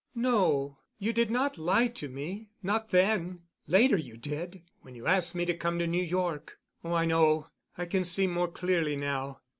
"No, you did not lie to me—not then. Later you did when you asked me to come to New York. Oh, I know. I can see more clearly now.